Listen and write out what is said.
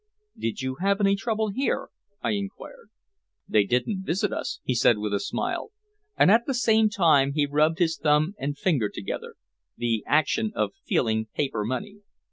"Did you have any trouble here?" I inquired. "They didn't visit us," he said with a smile, and at the same time he rubbed his thumb and finger together, the action of feeling paper money.